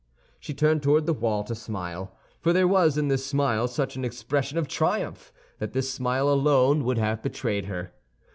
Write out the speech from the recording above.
She turned toward the wall to smile—for there was in this smile such an expression of triumph that this smile alone would have betrayed her.